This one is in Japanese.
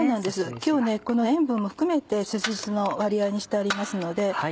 今日はこの塩分も含めてすし酢の割合にしてありますので。